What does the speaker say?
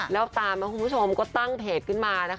แล้วตังเขาก็ตั้งเพจขึ้นมา